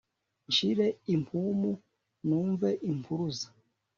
Nshire impumu numve Impuruza